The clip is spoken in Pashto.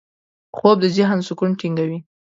خوب د ذهن سکون ټینګوي